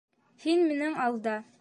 Һин минең алда!